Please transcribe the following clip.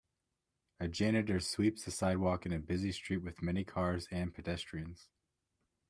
A janitor sweeps the sidewalk in a busy street with many cars and pedestrians.